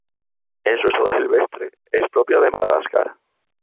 En su estado silvestre, es propia de Madagascar.